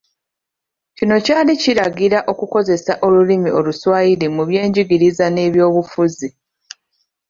Kino kyali kiragira okukozesa olulimi oluswayiri mu byengiriza n’eby’obufuzi.